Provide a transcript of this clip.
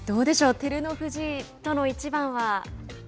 照ノ富士との一番は。